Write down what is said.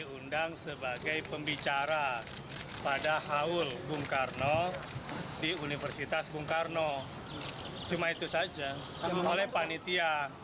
diundang sebagai pembicara pada haul bung karno di universitas bung karno cuma itu saja oleh panitia